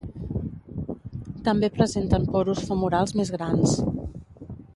També presenten porus femorals més grans.